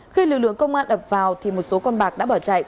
khi lực lượng công an ập vào thì một số con bạc đã bỏ chạy